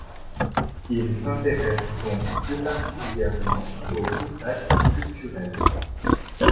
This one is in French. Ils s’intéressent donc plus particulièrement aux contacts culturels.